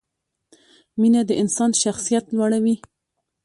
مینه د انسان شخصیت لوړوي.